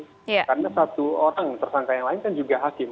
karena satu orang tersangka yang lain kan juga hakim